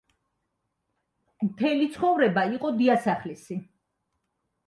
მთელი ცხოვრება იყო დიასახლისი.